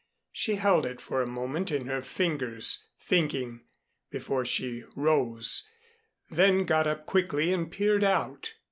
She held it for a moment in her fingers thinking, before she rose; then got up quickly and peered out.